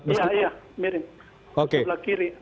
iya miring sebelah kiri